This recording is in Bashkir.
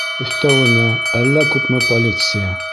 Өҫтәүенә, әллә күпме полиция.